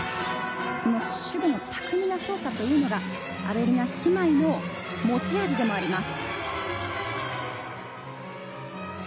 その手具の巧みな操作というのがアベリナ姉妹の持ち味でもあります。